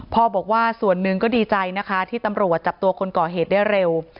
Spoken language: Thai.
พ่อบอกว่าส่วนหนึ่งก็ดีใจนะคะที่ตำรวจจับตัวคนก่อเหตุได้เร็ว